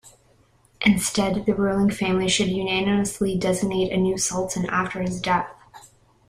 Instead, the ruling family should unanimously designate a new Sultan after his death.